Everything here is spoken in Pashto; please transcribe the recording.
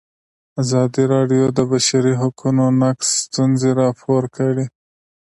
ازادي راډیو د د بشري حقونو نقض ستونزې راپور کړي.